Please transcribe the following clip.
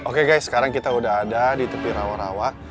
oke sekarang kita udah ada di tepi rawa rawa